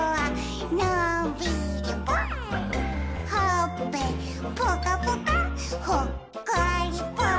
「ほっぺぽかぽかほっこりぽっ」